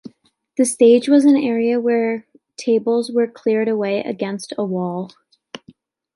The stage was an area where tables were cleared away against a wall.